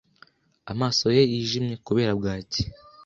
Amaso ye yijimye kubera bwaki